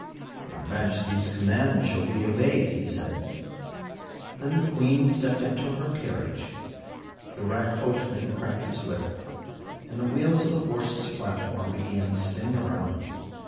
"Your Majesty's commands shall be obeyed," he said. Then the Queen stepped into her carriage, the rag coachman cracked his whip, and the wheels of the horses' platform began spinning around.